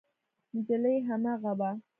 نجلۍ هماغه وه.